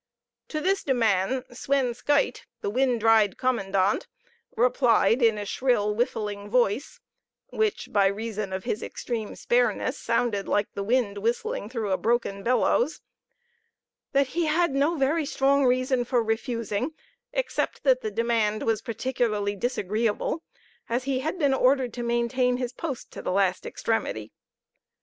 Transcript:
To this demand, Suen Skytte, the wind dried commandant, replied in a shrill, whiffling voice, which, by reason of his extreme spareness, sounded like the wind whistling through a broken bellows "that he had no very strong reason for refusing, except that the demand was particularly disagreeable, as he had been ordered to maintain his post to the last extremity."